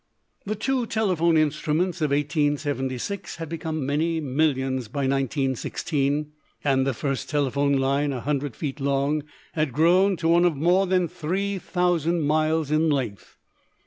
The two telephone instruments of 1876 had become many millions by 1916, and the first telephone line, a hundred feet long, had grown to one of more than three thousand miles in length.